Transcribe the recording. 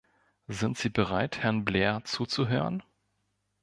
Sind Sie bereit, Herrn Blair zuzuhören?